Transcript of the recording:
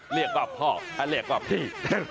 เรียกแบบพ่อเรียกแบบพี่